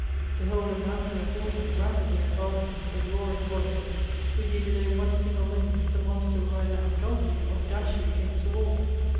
Behold a mountain of water, rapidly advancing with a roaring voice, — ^if you delay one single moment, the monster will either engulph you, or dash you against the wall